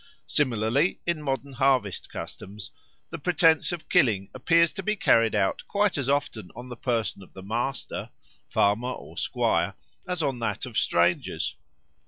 Similarly in modern harvest customs the pretence of killing appears to be carried out quite as often on the person of the master (farmer or squire) as on that of strangers.